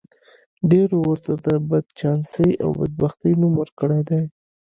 ډېرو ورته د بدچانسۍ او بدبختۍ نوم ورکړی دی.